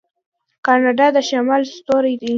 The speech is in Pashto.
کاناډا د شمال ستوری دی.